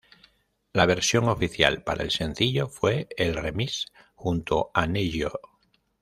La versión oficial para el sencillo fue el remix junto a Ne-Yo.